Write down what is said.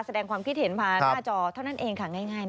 แสดงความคิดเห็นผ่านหน้าจอเท่านั้นเองค่ะง่ายนะ